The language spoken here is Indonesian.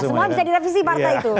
semua bisa direvisi partai itu